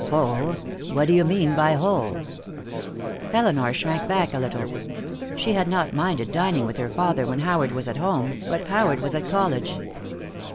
"Hole? What do you mean by hole?" Elinor shrank back a little. She had not minded dining with her father when Howard was at home, but Howard was at college.